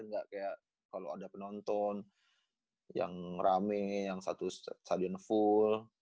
nggak kayak kalau ada penonton yang rame yang satu stadion full